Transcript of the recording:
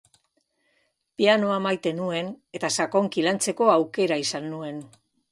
Pianoa maite nuen eta sakonki lantzeko aukera izan nuen.